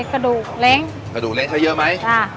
กระดูกเล้งเยอะคือเหนือกะดูกเล้งใช้เยอะไหมอ่ะ